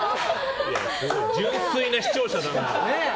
純粋な視聴者だな。